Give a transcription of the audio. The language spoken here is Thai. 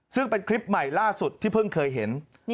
ซึ่งเป็นคลิปใหม่ล่าสุดที่เพิ่งเคยเห็น